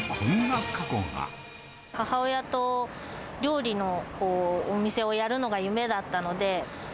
母親と料理のお店をやるのが夢だったので。